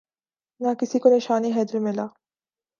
نہ کسی کو نشان حیدر ملا